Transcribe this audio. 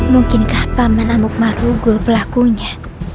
mungkinkah paman amuk maruko pelakunya